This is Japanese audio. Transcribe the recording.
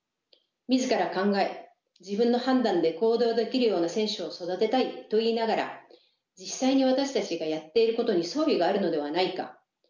自ら考え自分の判断で行動できるような選手を育てたいと言いながら実際に私たちがやっていることに相違があるではないか？